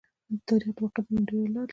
تاریخ د واقعیتونو ډېره لار لري.